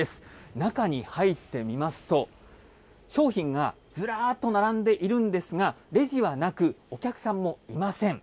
中に入ってみますと、商品がずらっと並んでいるんですが、レジはなく、お客さんもいません。